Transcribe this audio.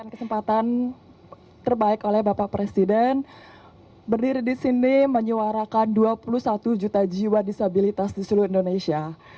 kesempatan terbaik oleh bapak presiden berdiri di sini menyuarakan dua puluh satu juta jiwa disabilitas di seluruh indonesia